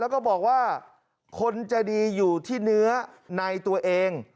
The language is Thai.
แล้วก็บอกว่าคนจะดีอยู่ที่เนื้อในตัวเอง